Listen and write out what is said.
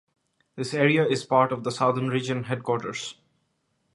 This area is part of the Southern Region Headquarters.